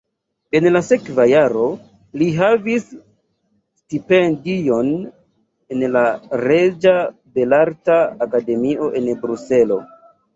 En la sekva jaro li havis stipendion en la reĝa belarta akademio en Bruselo.